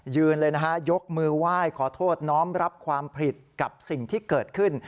เลยนะฮะยกมือไหว้ขอโทษน้อมรับความผิดกับสิ่งที่เกิดขึ้น